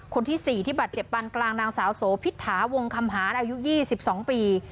คนที่๔ที่บาดเจ็บปันกลางนางสาวโสพิษฐาวงคำหารอายุ๒๒ปี